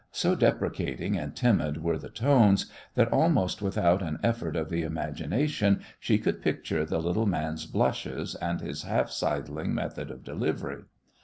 So deprecating and timid were the tones, that almost without an effort of the imagination she could picture the little man's blushes and his half sidling method of delivery.